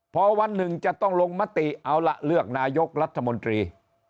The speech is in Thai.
พอวันหนึ่งจะต้องลงมติเอาล่ะเลือกนายกรัฐมนตรี